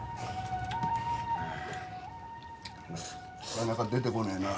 なかなか出てこねえな。